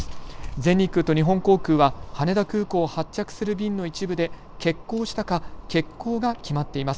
全日空と日本航空は羽田空港を発着する便の一部で欠航したか欠航が決まっています。